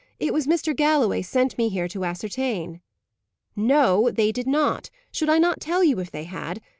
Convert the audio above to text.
It was Mr. Galloway sent me here to ascertain." "No, they did not. Should I not tell you if they had?